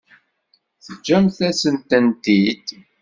Teǧǧam-asent-tent-id.